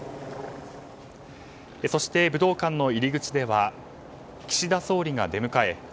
そして武道館の入り口では岸田総理が出迎え